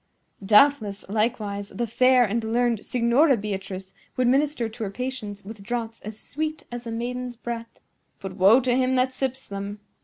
Doubtless, likewise, the fair and learned Signora Beatrice would minister to her patients with draughts as sweet as a maiden's breath; but woe to him that sips them!"